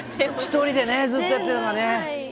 １人でね、ずっとやってたのがね。